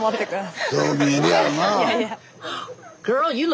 いやいや。